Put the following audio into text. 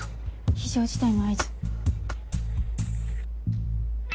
非常事態の合図。